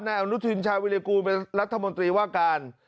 อนุทินชาวิรกูลเป็นรัฐมนตรีว่าการ